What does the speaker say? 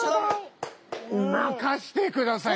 任してください。